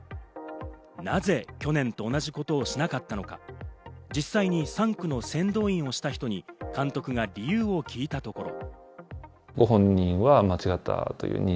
なぜ去年と同じことをしなかったのか、実際に３区の先導員をした人に監督が理由を聞いたところ。